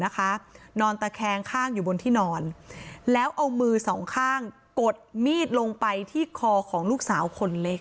นอนตะแคงข้างอยู่บนที่นอนแล้วเอามือสองข้างกดมีดลงไปที่คอของลูกสาวคนเล็ก